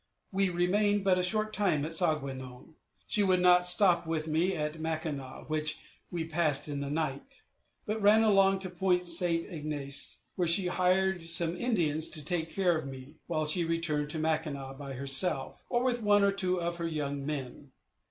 We remained but a short time at Sau ge nong. She would not stop with me at Mackinac, which we passed in the night, but ran along to Point St. Ignace, where she hired some Indians to take care of me, while she returned to Mackinac by herself, or with one or two of her young men.